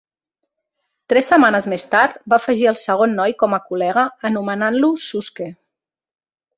Tres setmanes més tard va afegir el segon noi com a col·lega, anomenant-lo "Suske".